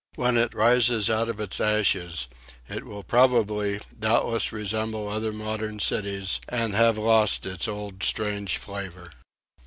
When it rises out of its ashes it will probably doubtless resemble other modern cities and have lost its old strange flavor.